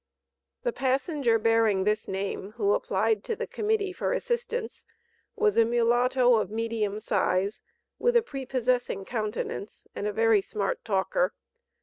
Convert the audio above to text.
The passenger bearing this name who applied to the Committee for assistance, was a mulatto of medium size, with a prepossessing countenance, and a very smart talker.